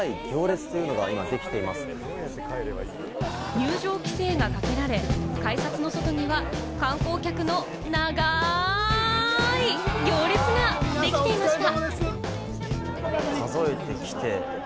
入場規制がかけられ、改札の外には観光客の長い行列ができていました。